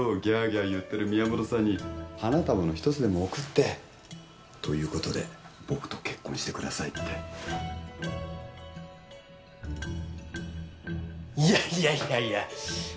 ギャーギャー言ってる宮本さんに花束の一つでも贈って「ということで僕と結婚してください」っていやいやいやいや